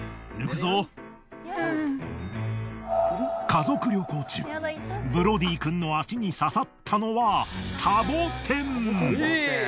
家族旅行中ブロディくんの足に刺さったのはサボテン。